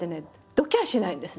どきやしないんですね。